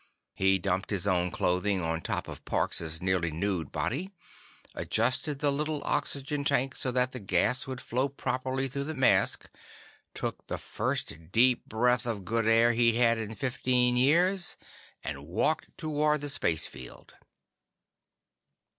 He dumped his own clothing on top of Parks' nearly nude body, adjusted the little oxygen tank so that the gas would flow properly through the mask, took the first deep breath of good air he'd had in fifteen years, and walked toward the spacefield.